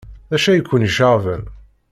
D acu ay ken-iceɣben?